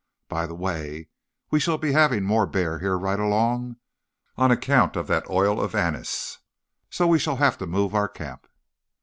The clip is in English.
By the way, we shall be having more bear here right along on account of that oil of anise, so we shall have to move our camp."